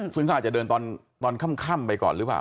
คืออาจจะเดินตอนค่ำไปก่อนหรือเปล่า